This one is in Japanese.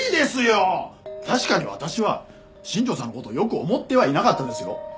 確かに私は新庄さんの事をよく思ってはいなかったですよ。